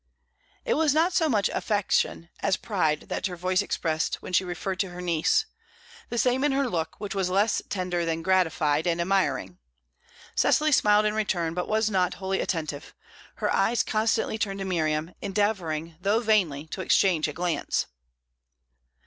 It was not so much affection as pride that her voice expressed when she referred to her niece; the same in her look, which was less tender than gratified and admiring. Cecily smiled in return, but was not wholly attentive; her eyes constantly turned to Miriam, endeavouring, though vainly, to exchange a glance.